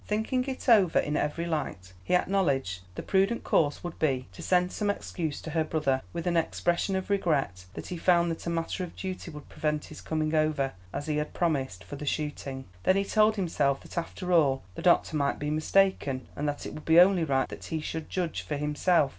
Thinking it over in every light, he acknowledged the prudent course would be to send some excuse to her brother, with an expression of regret that he found that a matter of duty would prevent his coming over, as he had promised, for the shooting. Then he told himself that after all the doctor might be mistaken, and that it would be only right that he should judge for himself.